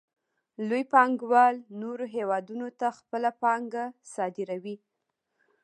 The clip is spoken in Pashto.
لوی پانګوال نورو هېوادونو ته خپله پانګه صادروي